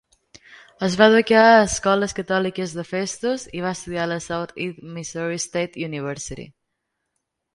Es va educar en escoles catòliques a Festus i va estudiar a la Southeast Missouri State University.